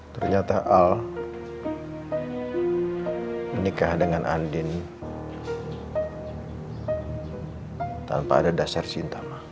ternyata al menikah dengan andin tanpa ada dasar cinta